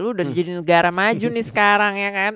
lu udah jadi negara maju nih sekarang ya kan